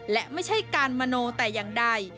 และไม่ใช่การมโนแต่อย่างใด